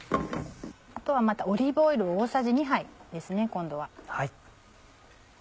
あとはまたオリーブオイル大さじ２杯です今度は。